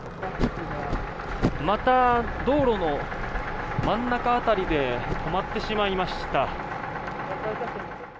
また、道路の真ん中辺りで止まってしまいました。